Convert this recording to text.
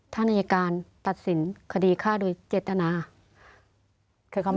ท่านอายการตัดสินคดีข้าด้วยเจตนา